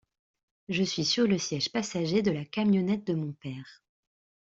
Je suis sur le siège passager de la camionnette de mon père.